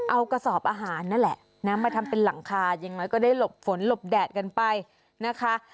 เอากระสอบอาหารนั่นแหละนะมาทำเป็นหลังคาอย่างน้อยก็ได้หลบฝนหลบแดดกันไปนะคะ